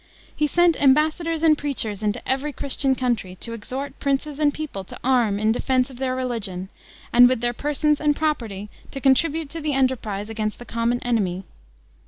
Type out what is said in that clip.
He sent ambassadors and preachers into every Christian country, to exhort princes and people to arm in defense of their religion, and with their persons and property to contribute to the enterprise against the common enemy.